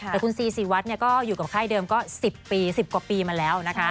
แต่คุณซีซีวัดก็อยู่กับค่ายเดิมก็๑๐ปี๑๐กว่าปีมาแล้วนะคะ